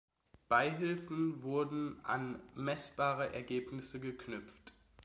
Beihilfen wurden an meßbare Ergebnisse geknüpft.